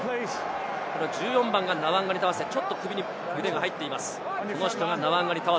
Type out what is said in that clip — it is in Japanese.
１４番がナワンガニタワセ、ちょっと首に腕が入っています。